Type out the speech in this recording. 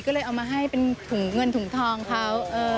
ก็เลยเอามาให้เป็นถุงเงินถุงทองเขา